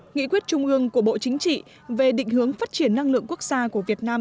nghị quyết trung ương của bộ chính trị về định hướng phát triển năng lượng quốc gia của việt nam